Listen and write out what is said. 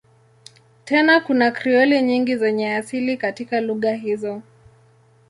Tena kuna Krioli nyingi zenye asili katika lugha hizo.